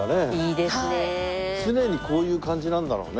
常にこういう感じなんだろうね